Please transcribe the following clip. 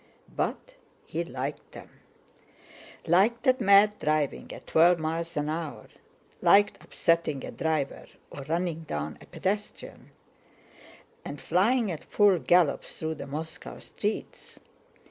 But he liked them; liked that mad driving at twelve miles an hour, liked upsetting a driver or running down a pedestrian, and flying at full gallop through the Moscow streets.